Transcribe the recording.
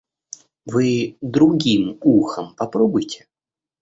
Вы другим ухом попробуйте.